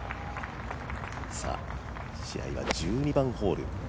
試合は１２番ホール。